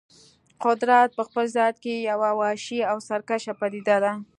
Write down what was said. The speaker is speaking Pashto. قدرت په خپل ذات کې یوه وحشي او سرکشه پدیده ده.